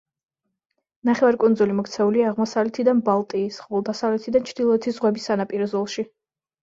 ნახევარკუნძული მოქცეულია აღმოსავლეთიდან ბალტიის, ხოლო დასავლეთიდან ჩრდილოეთის ზღვების სანაპირო ზოლში.